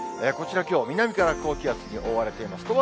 こちらきょう、南から高気圧に覆われています。